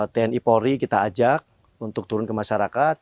tni polri kita ajak untuk turun ke masyarakat